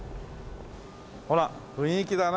ほら雰囲気だな。